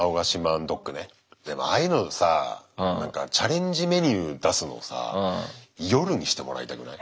でもああいうのさなんかチャレンジメニュー出すのさ夜にしてもらいたくない？